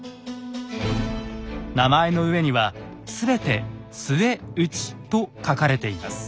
名前の上には全て「陶内」と書かれています。